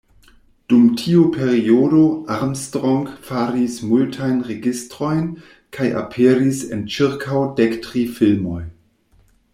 Dum tiu periodo, Armstrong faris multajn registrojn kaj aperis en ĉirkaŭ dektri filmoj.